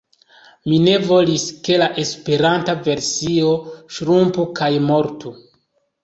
Mi ne volis, ke la Esperanta versio ŝrumpu kaj mortu.